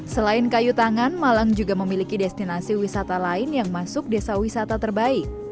selain kayu tangan malang juga memiliki destinasi wisata lain yang masuk desa wisata terbaik